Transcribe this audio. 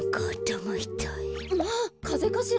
まあかぜかしら。